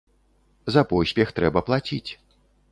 За поспех трэба плаціць.